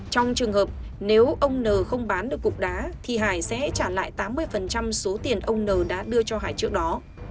trong trường hợp nếu ông n không bán được cục đá thì hải sẽ trả lại tám mươi số tiền ông n đã đưa cho hải trước đó